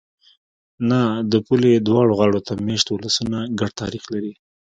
نه! د پولې دواړو غاړو ته مېشت ولسونه ګډ تاریخ لري.